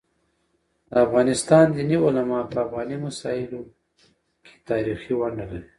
د افغانستان دیني علماء په افغاني مسايلو کيتاریخي ونډه لري.